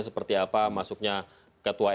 seperti apa masuknya ketua